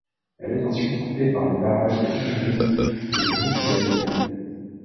Elle est ensuite coupée par les barrages de Himrin et de Muqdadiya.